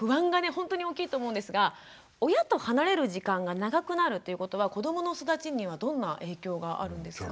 ほんとに大きいと思うんですが親と離れる時間が長くなるということは子どもの育ちにはどんな影響があるんですか？